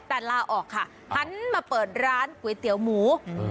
แต่ลาออกค่ะหันมาเปิดร้านก๋วยเตี๋ยวหมู